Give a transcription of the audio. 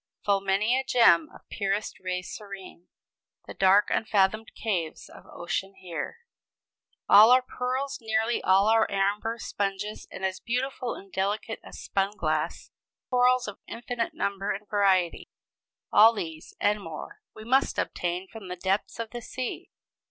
"Full many a gem of purest ray serene, The dark unfathomed caves of ocean bear." All our pearls, nearly all our amber, sponges, and as beautiful and delicate as spun glass, corals of infinite number and variety all these, and more, we must obtain from the depths of the sea.